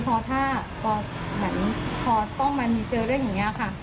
พอต้องมานี่เจอเรื่องอย่างนี้ค่ะ